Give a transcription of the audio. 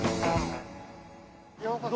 ようこそ。